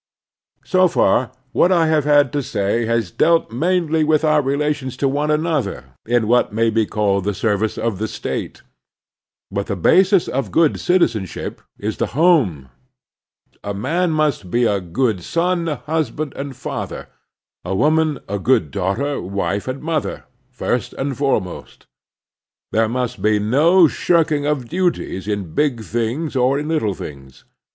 So far, what I have had to say has dealt mainly with our relations to one another in what may be called the service of the State. But the basis of good citizenship is the home. A man must be a good son, husband, and father, a woman a good daughter, wife, and mother, first and foremost. There must be no shirking of duties in big things or in little things.